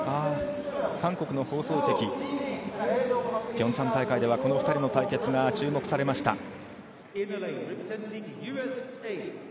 韓国の放送席ピョンチャン大会ではこの２人の対決が注目されました。